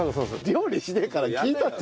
料理しねえから聞いたって。